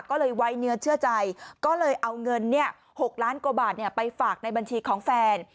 ก็เลยไว้เนื้อเชื่อใจก็เลยเอาเงิน๖ล้านกว่าบาทไปฝากในบัญชีของแฟน